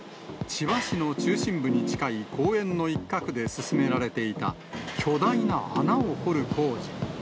千葉市の中心部に近い公園の一角で進められていた巨大な穴を掘る工事。